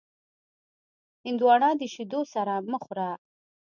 هندوانه د شیدو سره مه خوره.